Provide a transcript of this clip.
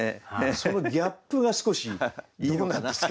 そのギャップが少しどうなんですか？